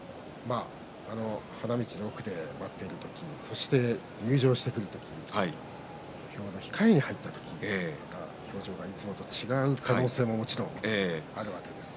花道の奥、入場してくる時控えに入った時表情はいつもと違う可能性ももちろんあるわけです。